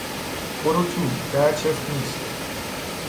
برو تو، در چفت نیست.